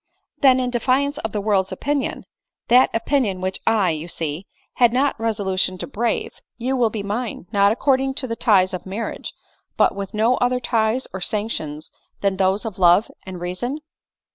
" Then, in defiance of the world's opinion, that opin ion which I, you see, had not resolution to brave, you will be mine — not according to the ties of marriage, but with no other ties or sanction than those of love and rea son